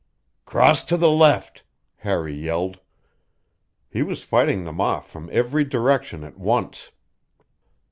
"Cross to the left!" Harry yelled. He was fighting them off from every direction at once.